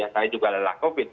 saya juga lelah covid